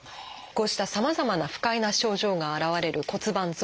こうしたさまざまな不快な症状が現れる骨盤臓器脱。